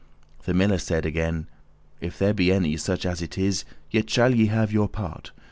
*lodging The miller said again," If there be any, Such as it is, yet shall ye have your part.